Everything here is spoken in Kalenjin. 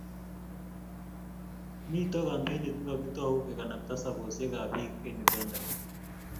Mito kampeinit ne kakitou kekanabta sobesiekab biik eng' Uganda.